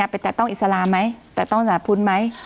ไปแตะต้องอิสระไหมแตะต้องศาสนาพุนไหม